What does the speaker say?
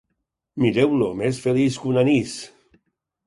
Mireu-lo, més feliç que un anís.